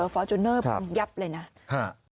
ฟอร์จูเนอร์ยับเลยนะนะครับ